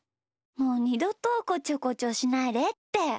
もうにどとこちょこちょしないでって。